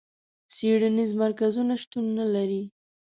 څېړنیز مرکزونه شتون نه لري.